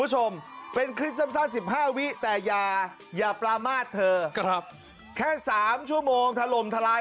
เฮ้ยเฮ้ยเฮ้ย